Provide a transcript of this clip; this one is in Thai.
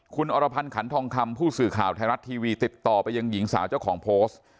คุณอรพันธ์ขันทองคำผู้สื่อข่าวไทยรัฐทีวีติดต่อไปยังหญิงสาวเจ้าของโพสต์